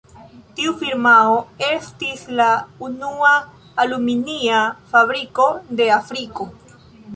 Tiu firmao estis la unua aluminia fabriko de Afriko.